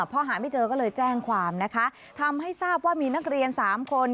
พอหาไม่เจอก็เลยแจ้งความนะคะทำให้ทราบว่ามีนักเรียนสามคน